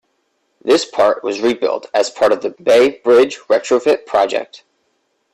This part was rebuilt as part of the Bay Bridge retrofit project.